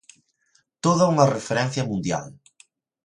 Toda unha referencia mundial.